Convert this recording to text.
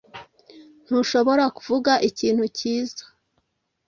Ntushobora kuvuga ikintu cyiza